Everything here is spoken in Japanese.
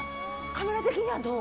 カメラ的にはどう？